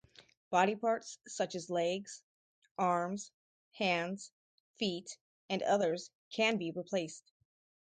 Body parts such as legs, arms, hands, feet, and others can be replaced.